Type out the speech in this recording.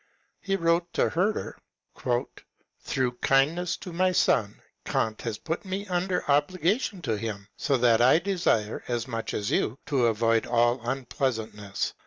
He wrote to Herder, Through kindness to my son, Eant has put me under obligation to him, so that I desire, as much as you, to avoid all unpleasantness.